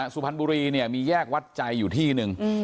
สุพรรณบุรีเนี่ยมีแยกวัดใจอยู่ที่หนึ่ง